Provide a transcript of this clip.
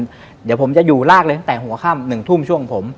เดี๋ยวผมจะอยู่ลากเลยตั้งแต่หัวค่ำ๑ทุ่มช่วงผม